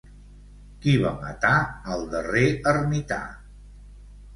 Qui va matar al darrer ermità?